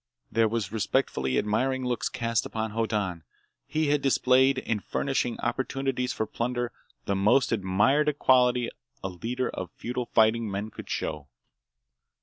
There were respectfully admiring looks cast upon Hoddan. He had displayed, in furnishing opportunities for plunder, the most admired quality a leader of feudal fighting men could show.